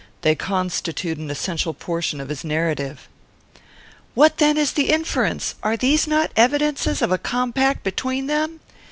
They constitute an essential portion of his narrative." "What then is the inference? Are not these evidences of a compact between them?